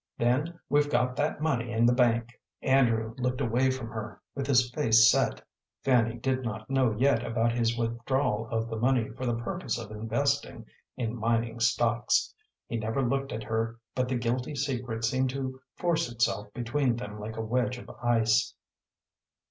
Then, we've got that money in the bank." Andrew looked away from her with his face set. Fanny did not know yet about his withdrawal of the money for the purpose of investing in mining stocks. He never looked at her but the guilty secret seemed to force itself between them like a wedge of ice.